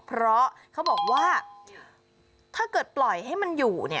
เพราะเขาบอกว่าถ้าเกิดปล่อยให้มันอยู่